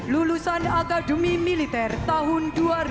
lulusan akademi militer tahun dua ribu dua